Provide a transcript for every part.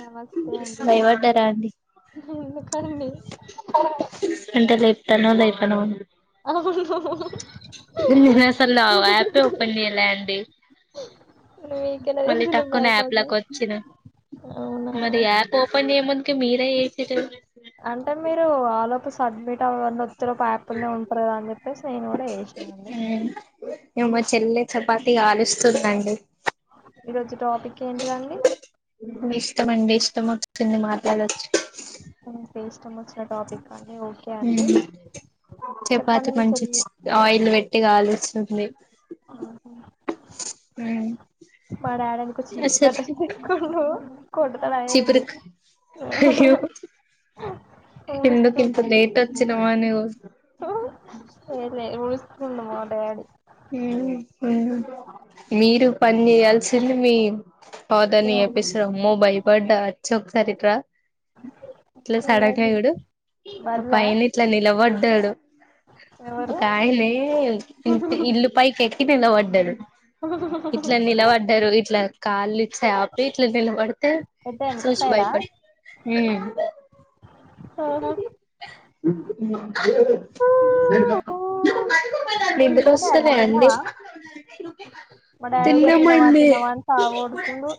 నమస్తే అండి భయబడ్డారా అండి ఎందుకండి అంటే లేపుతనో లేపనో అవును నిన్నసలు ఆ యాపే ఓపెన్ చేయలే అండి నీకే మళ్ళీ టక్కున యాప్ లాకి వచ్చిన అవునా మరి యాప్ ఓపెన్ చేయ ముందు తి మీరే చేసిర్రు అంటే మీరు ఆలోపు సబ్మిట్ అవ్వ న ఒత్తేలోపు యాప్ లనే ఉంటరు కదా అని చెప్పేసి నేను కూడా చేసిన అండి ఎమో మా చెల్లె చపాతి కాలుస్తుందండి ఈరోజు టాపిక్ ఏంటిదండి అత్తమ్మ ఒచ్చింది మాట్లాడోచి మీకు ఇష్టం వచ్చిన టాపిక్ అండి ఓకే అండి మ్ చెప్పండి చపాతి మీ చెల్లి మంచొచి ఆయిల్ పెట్టి కాల్ ఉంది మ్ మా డాడ్ అనుకో చీపురు కట్ట తిక్కుండు కొడుతడా ఏంది చిపురుకు అయ్యో ఎందుకు ఊడుస్తు ఇంత లేట్ వచ్చినవా నువ్వు ఏం లే ఊడుస్తు తుండు మా డాడీ మీరు పని చేయాల్సింది మీ పౌదని ఎపిసో అమ్మో భయపడ్డా అచ్చ్ ఒకసారి ఇటు రా ఇట్లా సడన్ గా ఏమైంది చూడు ఆ బల్లా పైన ఇట్లా నిలబడ్డాడు ఎవరు ఒక ఆయనే ఇంటి ఇల్లు పైకి ఎక్కి నిలబడ్డాడు ఇట్లా నిలబడ్డారు ఇట్లా కాళ్ళు చాపి ఇట్లా నిలబడు త్ ఎట్ట ఎనక సూచి సైడా భయపడ్ ఆ హా [unintelligible] ఎందుకు తిన్న డాడీ నువ్వు వస్తున్నాయ్ అండి తిన్నవా మా డాడీ ఊకె తిన్నం తినవా అండి తినవా అని సావగొడుతుండు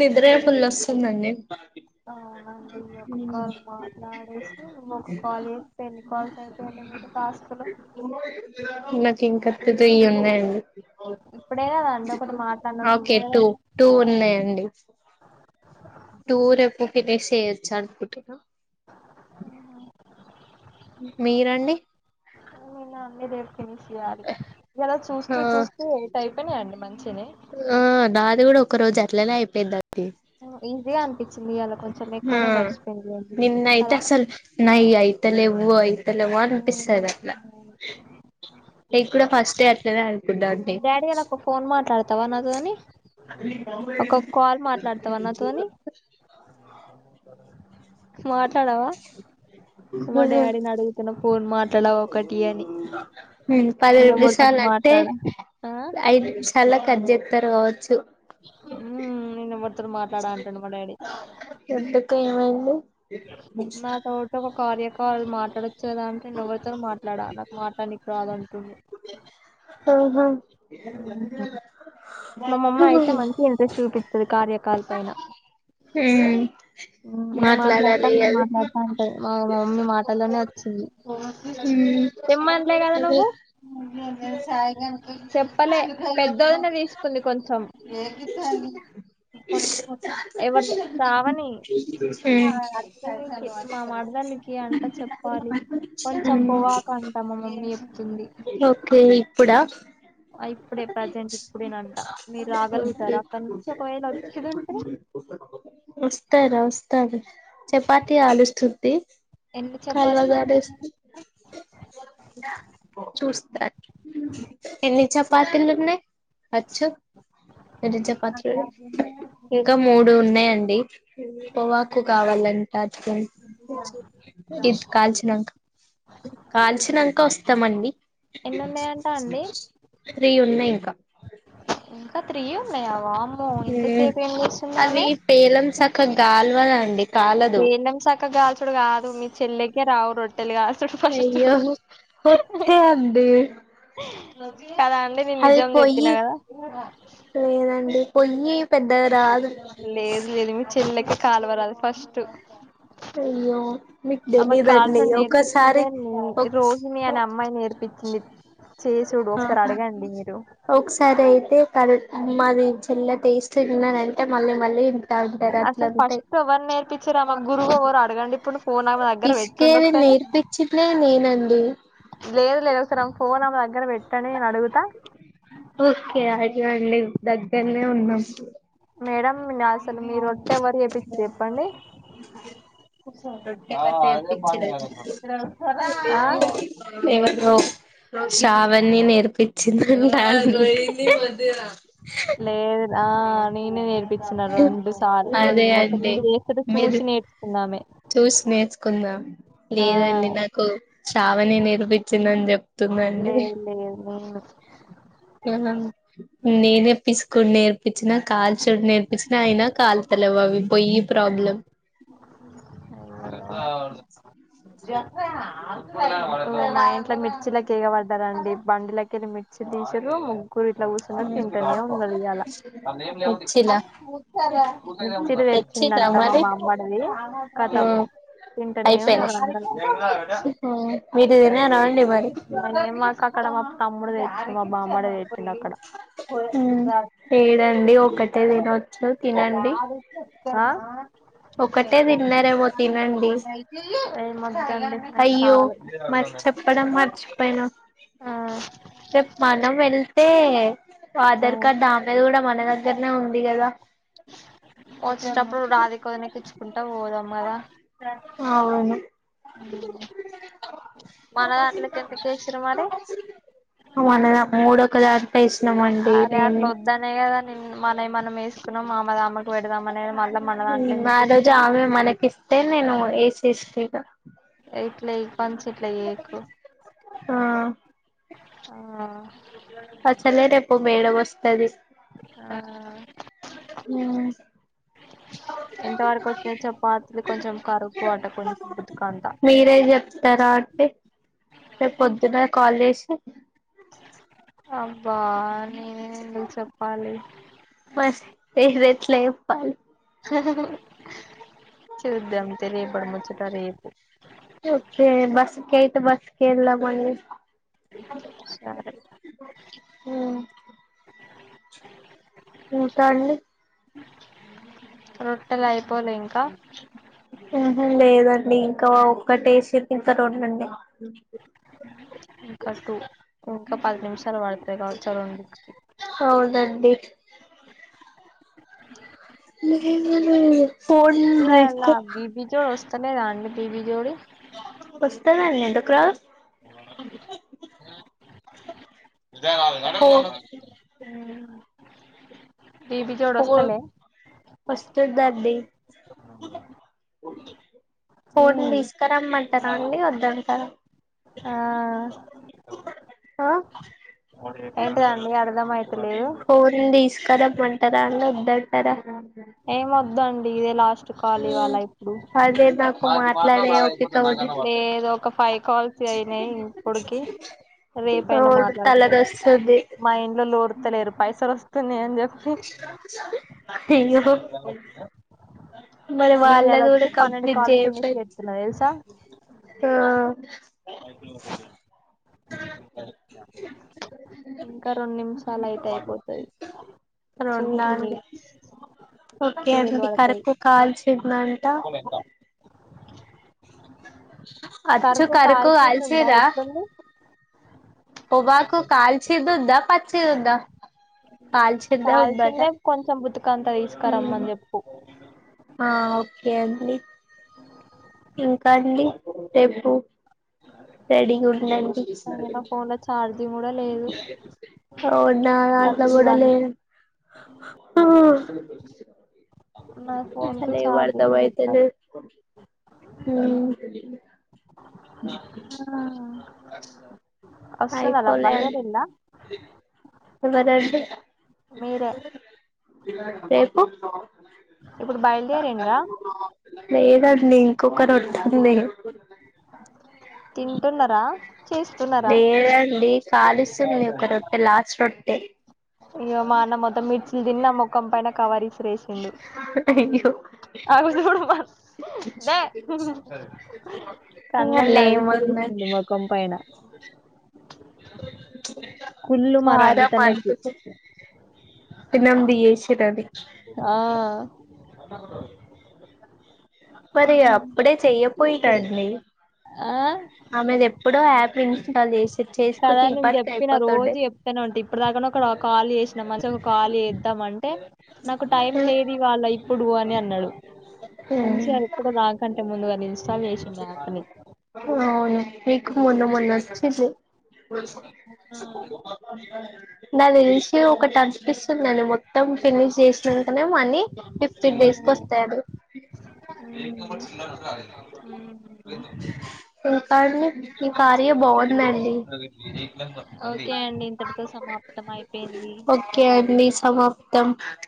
నిద్రే ఫుల్ వస్తుందండి ఈ ఒక్క కాల్ మాట్లాడేసి ఇంకొక కాల్ చేస్తే ఎన్ని కాల్స్ అయితాయండి మీ టాస్కులు నాకింకా త్రీ ఉన్నాయండి ఇప్పుడే కదా అండి ఒకటి మాట్లాడినట్టు ఓకే ఇదే టు కదండి టూ ఉన్నాయండి టూ రేపు ఫినిష్ చేయొచ్చు అనుకుంటున్నా అహ మీరండి నేను అన్ని రేపు ఫినిష్ చేయాలి కదా చూస్తూ ఆ చూస్తూ ఎయిట్ అయిపోయినాయండి మంచిగనె ఆ నాది కూడా ఒక రోజు అట్లనే అయిపోయిందండి ఈజీగా అనిపించింది ఇయ్యాల కొంచెం ఆ ఎక్కువనే గడిచిపోయిందిలెండి కదా లెవ్వు అయి తెలువో ఉమ్, అనిపిస్తది అట్లా ఉమ్. నేను కూడా ఫస్ట్ డే అట్లనే అనుకున్నాను డాడీ ఇయ్యాల ఒక ఫోన్ మాట్లాడతావా నాతోని ఒక కాల్ మాట్లాడతావా నాతోని మాట్లాడవా మా డాడీని అడుగుతున్న ఫోన్ మాట్లాడవా ఒకటి అని పది నేనెవరితోటి నిమిషాలు అంటే మాట్లాడ ఆ ఐదు నిమిషాల కట్ చెత్తారు కావచ్చు ఉమ్ నేనెవరి ఎందుకు ఏమైంది నాతోటోక కార్య కాల్ మాట్లాడొచ్చు కదా అంటే నేన్ ఎవరితోన్ మాట్లాడ నాకు మాట్లాడ్నిక్ రాదు అన్ అ హా మామమ్మ అయితే ఉమ్ మంచి ఇంట్రెస్ట్ చూపిత్తది కార్య కాల్ పైన మ్ మ్ నేన్ మాట్లాడ్త నేన్ మాట్లాడ్త అంటది మా మమ్మీ మాటల్లోనే వచ్చింది ఉమ్ ఏం మాట్లాడాలే నువ్వు చెప్పలె పెద్దొదిన తీసుకుంది కొంచం ఎవర్ శ్రావణి మా మర్దలికి అంట చెప్పాలి కొంచెం ఉమ్ పొవా కంట మామమ్మి చెప్తుంది ఓకే ఇప్పుడా అ ఇప్పుడే ప్రజెంట్ ఇప్పుడేనంట మీర్ రాగలుగుతార అక్కడ నుంచి ఒకవేళ వ ఒస్తరా వొస్తాది చపాతి కాలుస్తుంది ఎన్ని చపాతీలు ఉన్నయ్ కాలువగాడేస్తూ మేడం ఎన్ని చపాతిలు ఉన్నాయ్ అచ్చు ఎన్ని చపాతీలైనయ్ ఇంక మూడు ఉన్నాయండి పొవాకు కావాలన్ ఆటికి ఇది కాల్చినంక కాల్చినంక ఒస్తమండి ఎన్ని ఉన్నాయంట అండి త్రీ ఉన్నయ్ ఇంకా ఇంక త్రీ ఉన్నయా వామ్ అవి పేలం సక్కగాల్వద్ అండి కాలదు సక్కగాల్చుడు కాదు మి చెల్లెకే రావు రొ ట్టెలు కాల్చుడు ఫస్టు అయ్యో ఒత్తే అండి అది పొయ్యి లేదండి పొయ్యి పెద్దగ రాదు లేదు లేదు మీ చెల్లెకె కాలువరాదు ఫస్ట్ అయ్యో మీకు ఆమెకి తెలీదండి కాల్చుడ్ ఒకసారి నేర్పిచిందె నే ఒక్స్ రోజు నేన్ అమ్మాయ్ నేర్పి చింది ఒకసారి ఐతే కదు మాది చెల్లె టేస్ట్ తిన్నారంటే మళ్ళీ మళ్ళీ తాగుతారు అట్ల అసలు ఉంటయ్ ఫస్ట్ ఎవరు నేర్పించిరు ఆమె గురువు ఎవరు అడగండి ఇప్పుడు ఫోన్ ఆమె దగ్గర పెట్టుండి పిస్కేది ఒకసారి నేర్పిచ్చిందే నేనండి లేదు లేదు ఒకసారి అమె ఫోన్ ఆమె దగ్గర పెట్టండి అని నేనడుగు ఓకే అడగండి దగ్గర్నె ఉన్నం మేడం మిన్ అసలు మీరొట్టే ఎవరు చెపిచ్చిర్ చెప్పండి ఆ అదే పనిగా నీకు ఆ ఎవరు బ్రో ఓయ్ శ్రావణి నేర్పిచిందంట అండి లేదు ఆ నేనే నేర్ ర్పిచ్చిన రెండు సార్లు రొన్ అదే మొత్తం అండి నెన్ చేస్తుట్టే చూసి నేర్చుకుందామె చూస్ నేర్చుకుందాం లేదండి నాకు శ్రావనే నేర్పిచ్చిందని చెప్ లేద్ లేదు నేనే పిస్కుడ్ నేర్ పిచ్చిన్న కాల్చుడ్ నేర్పిచ్న అయినా కాల్తలెవ్ అవి పోయ్యి ప్రాబ్లం త [unintelligible] ఊ మా ఇంట్ల మిర్చిలకెగపడ్డరండి బండిలకెళ్లి మిర్చిల్ తీ చురుం కూరిట్ల కూసున్నడు తింటనే ఉన్నడు ఇయాల తెచ్చిలా తెచ్చిలా తెచ్చిండంట మా మరి బామర్ ర్ధి కతము తింటనే అయిపోయినాయి ఉన్నరందరు మీరు తిన్నారా అండి మరి మాక్ అక్కడ మా తమ్ముడే తెచ్చి మా బామ్మర్ది తిన్నక్కడ హ్మ్ ఏడండి ఒక్కటే తినొచ్చు తినండి ఆ ఒక్కటే దిన్నరేమో తినన్ ఏమ్ ఓదండి నాక్ అయ్యో చాలు రెప్ మనం వెల్ తే ఆ అధర్ కార్డ్ దామేది గూడ మన దగ్గర్ నే ఉంది గదా ఓచిన్ టప్పుడ్ రాధికో కుంట వోదామ్ కదా హ్మ్ మరి నువ్ అనద మూడో ఒక్ దాన్ అరే అట్లోద్దనే గాద నిన్ మానైమనం ఎసుకున్నాం మామ్ మద్ అమక్ వేడదాం అనే గా మళ్ళ మనదాట్లే ఆ రోజు ఎందుకేశింది ఆమె మనకిస్తే నేను వేసేస్తా ఇగ ఇట్లే ఇప్పంచి ఇట్ల ఏకు ఆ హ అచ్చలే రేపు మేడం ఓస్తదిస్ ఆ ఆ హ్మ్ ఏంతవరకు ఒచ్ నయ్ చపాతుల్ కొంచెమ్ కరుకు అట కొంచెం భుత్ కంట ఏ రేపొద్దు నే కాల్ జేషీ అబ్బా ఆన్ మర్ హే హియేద్ ఏట్ల ఏప్పాలి ఆహా హ్ చూద్దాం తేరే రేపడ్ ముచ్చట రేపు ఓకే ఏ బస్సు కేయితే బస్సు కెల్ దామని సరే ఆ ఇంకండి రొట్టెలయిపోలే ఇమ్ ఉహ్ లేదండి ఇంకా ఓ ఒక్కటేశిర్ ఇంక రొంనుంన్నాయ్ ఇంకా టూ ఉంక పద్ నిమ్ షాల్ వడతాయి గావచ్ ఆ రోం కి ఔనండి ఫోన్ ఇయాల బిబి జోడ్ ఓస్త లేదాండి బిబీజోడి ఓస్తదన్ ఎందుక్ రాద్ ఇదే నాల్ గంటల్ ఫోన్లు హ్మ్ బిబిజోడ్ ఓస్తలే చుదండి ఫోట్లు ఉమ్ తీస్ ఇక రమ్మంటారా అండి ఓద్దంటర ఆ ఆ ఏంటిదండి అరదమైత్ లేదు కరమ్ మంటారండి ఓద్దాంటరా ఏం ఓద్దండి ఇదే లాస్ట్ చు కాల్ లీవాల ఇపుడ్ అదే నాకు మాట్లాడే ఓపిక ఉంది ఏ ఇదో ఒక్క ఫై కల్స్ కైనయ్ ఇపుడ్ కి రేపయిన అవును మాట్లాడ్ కోచ్ తలనొస్తుంది మా ఇంట్లోలోల్ ఓర్ తలేదు పైసల్ స్ మీ అయియెహో మొఖం ఇయ్యాల వచ్చిందా మరే నేను ఇయాల వచ్చి వాళ్ళగుడా పన్నెండు కాంప్లిట్ కాళ్ళు ఫినిష్ జేయపెర్ చేస్తున్నా ఆ సాయకిలు వ [inaudible] ఇంకా రొన్ నిమ్షాలైతే అయిపోతది. సరే టూ ఉంట్ నాండి మినిట్స్ ఓకే సీరియల్ అండి పడతది కరకు కాల్చిందంట. ఫోన్ ఎంత అచ్చు కరుకు కరి కు కాల్సింది ఉందా ఆల్చిర్రా ఎట్లుంది పొగాకు కాల్చి దుద్ద ప చ్చిదుందా కాల్సిందే కొంచెం బుతుకంతా ఉమ్ తీసుకరమ్మని చెప్పు ఆ ఓకే అండి. ఇంకా అండి రేపు రెడీగున్నండి. అయ్యో నా ఫోన్ లో ఛార్జింగ్ కూడా లేదు అవునా అట్ల థర్టీ గూడా వన్ లే నా ఫోన్ కి అసలేం ఛార్జింగ్ కూడా అర్థమైతలే ఎక్కదు హ్మ్ ఆ అ అయిపోలా బయలుదేరిండ్రా ఎవరండీ మీరే రేపు ఇప్పుడు తత్కాల బయలుదేరిండ్రా ఇంగు ఎప్పుడు బావ పెళ్లయింది లేదండి ఇంకొకరొట్టుంది. తింటున్నరా చేస్తున్నా లేదండి కాలుస్తుంది ఒక రొట్టె లాస్ట్ రొట్టె ఇగ మా అన్న మొత్తం మిర్చి దిన్నా మొఖం పైన కవరిస్ అయ్యో అవి జూడు కండ్లల్లా వాళ్ళేమన్నారు విసిరేసిండు మొఖం పైన కుళ్ళు మా కారం రంజిత్ అన్నకి అనిపిచ్ ఇనమ్ది ఏసితది ఆ మరి అప్పుడే చెయ్యపోయికండి ఆ ఆమె ప్పుడో యాప్ ఇన్స్టాల్ జేసి కదా నేను చెప్పిన రోజు చెప్తానుంటి ఇప్పుడు దాకా నొక ఒక కాళీ చేసిన మంచిగా ఒక కాల్ ఏత్తమ్ అంటే నాకు టైం లేదు ఇవాళ ఇప్పుడు అని అన్నాడు హ్మ్ మంచిగా ఇప్పుడు నాకంటే ముందుగా నిలిచ అవును మీకు మొన్న మొన్న వొచ్చిందే నా దెల్సి ఒక టట్టిస్తుందడి మొ మొత్తం ఫినిష్ చేసినంకనే మనీ ఫిఫ్టీ డేస్క్ వొస్తాయండి. హ్మ్ ఇంకా అండి మీ కార్య బాగుందండి ఓకే అండి ఇంతటితో స ఓకే అండి సమాప్తం